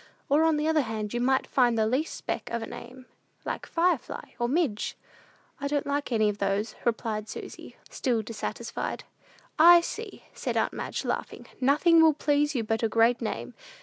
Or, on the other hand, you might find the least speck of a name, like Firefly, or Midge." "I don't like any of those," replied Susy, still dissatisfied. "I see," said aunt Madge, laughing, "nothing will please you but a great name.